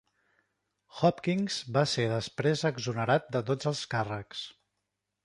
Hopkins va ser després exonerat de tots els càrrecs.